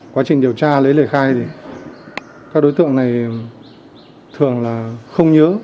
quá trình điều tra lấy lời khai thì các đối tượng này thường là không nhớ